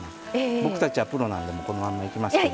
僕たちはプロなんでもうこのまんまいきますけど。